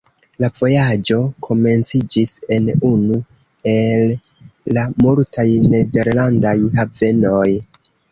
La vojaĝo komenciĝis en unu el la multaj nederlandaj havenoj.